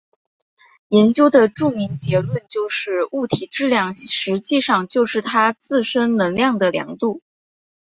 研究的著名结论就是物体质量实际上就是它自身能量的量度。